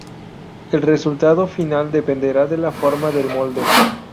El resultado final dependerá de la forma del molde.